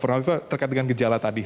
prof terkait dengan gejala tadi